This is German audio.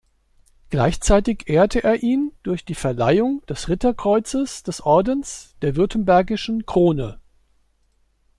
Gleichzeitig ehrte er ihn durch die Verleihung des Ritterkreuzes des Ordens der Württembergischen Krone.